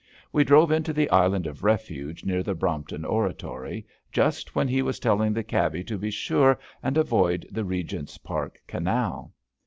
We drove into the island of refuge near the Brompton Oratory just when he was telling the cabby to be sure and avoid the Eegents' Park Canal.